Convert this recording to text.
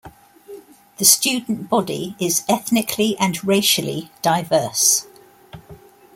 The student body is ethnically and racially diverse.